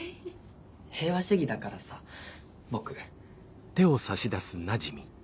平和主義だからさボク。